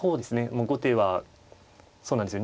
もう後手はそうなんですよ